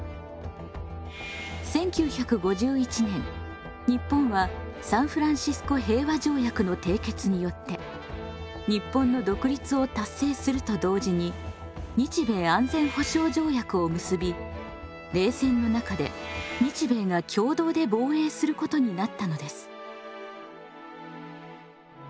１９５１年日本はサンフランシスコ平和条約の締結によって日本の独立を達成すると同時に日米安全保障条約を結び冷戦の中で日米が共同で防衛することになったのです。